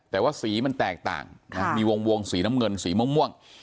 แต่ว่าสีมันแตกต่างมีวงสีน้ำเงินสีม่วง